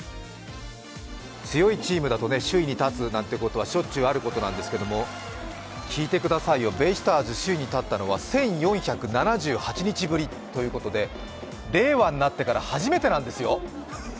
強いチームだと首位に立つなんてことはしょっちゅうあることなんですけれども、聞いてくださいよ、ベイスターズ首位に立ったのは１９４８日ぶりということで、令和になってから初めてなんですよ。